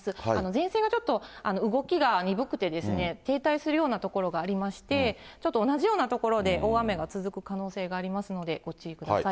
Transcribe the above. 前線がちょっと、動きが鈍くてですね、停滞するようなところがありまして、ちょっと同じような所で大雨が続く可能性がありますので、ご注意ください。